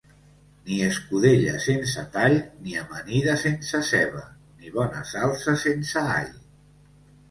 Ni escudella sense tall, ni amanida sense ceba, ni bona salsa sense all.